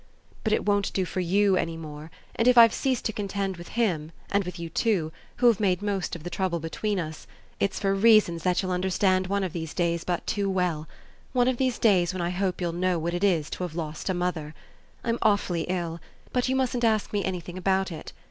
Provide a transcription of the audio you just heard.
But it won't do for YOU any more, and if I've ceased to contend with him, and with you too, who have made most of the trouble between us, it's for reasons that you'll understand one of these days but too well one of these days when I hope you'll know what it is to have lost a mother. I'm awfully ill, but you mustn't ask me anything about it.